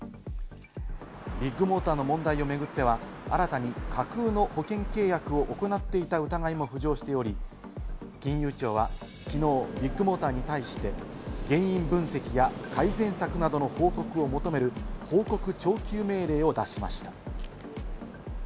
ビッグモーターの問題を巡っては、新たに架空の保険契約を行っていた疑いも浮上しており、金融庁はきのうビッグモーターに対して原因分析や改善策などの報告を求める報告徴求命令を出しました。